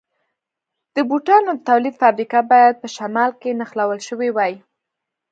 د بوټانو د تولید فابریکه باید په شمال کې نښلول شوې وای.